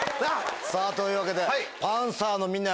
さぁというわけでパンサーのみんなは。